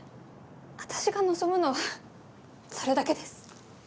私が望むのはそれだけです。